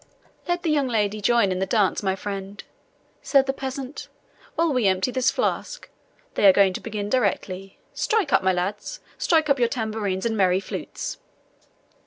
"Let the young lady join in the dance, my friend," said the peasant, "while we empty this flask. They are going to begin directly. Strike up! my lads, strike up your tambourines and merry flutes!"